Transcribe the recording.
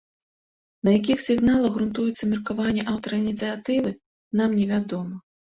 На якіх сігналах грунтуецца меркаванне аўтара ініцыятывы, нам невядома.